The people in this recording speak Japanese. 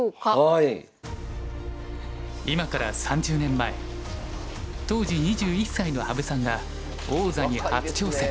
今から３０年前当時２１歳の羽生さんが王座に初挑戦。